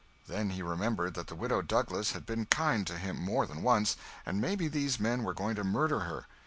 Then he remembered that the Widow Douglas had been kind to him more than once, and maybe these men were going to murder her.